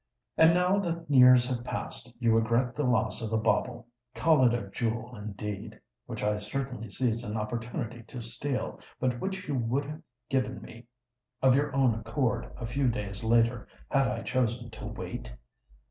"And now that years have passed, you regret the loss of a bauble—call it a jewel, indeed!—which I certainly seized an opportunity to steal, but which you would have given me of your own accord a few days later, had I chosen to wait?"